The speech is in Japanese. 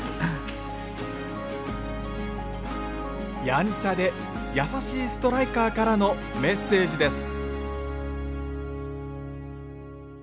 やんちゃで優しいストライカーからのメッセージです。